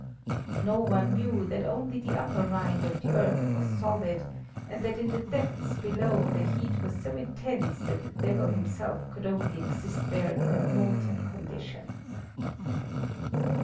No one knew that only the upper rind of the earth was solid, and that in the depths below the heat was so intense that the devil himself could only exist there in a molten condition.